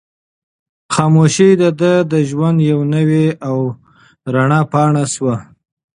خاموشي د ده د ژوند یوه نوې او رڼه پاڼه شوه.